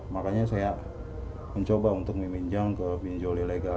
makanya saya mencoba untuk meminjam ke pinjol ilegal